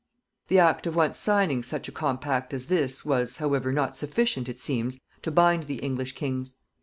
The act of once signing such a compact as this was, however, not sufficient, it seems, to bind the English kings.